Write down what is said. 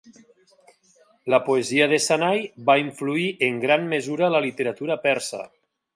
La poesia de Sanai va influir en gran mesura la literatura persa.